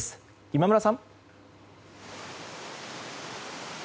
今村さん。